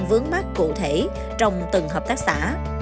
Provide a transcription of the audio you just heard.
vướng mắt cụ thể trong từng hợp tác xã